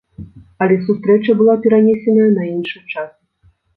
Але сустрэча была перанесеная на іншы час.